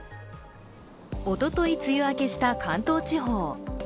おととい梅雨明けした関東地方。